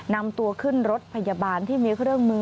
นำตัวขึ้นรถพยาบาลที่มีเครื่องมือ